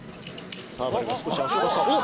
サーバルが少し足を出したおっ